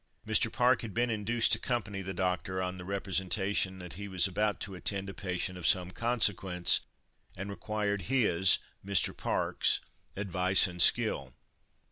Mr. Park had been induced to accompany the Doctor on the representation that he was about to attend a patient of some consequence, and required his (Mr. Park's) advice and skill.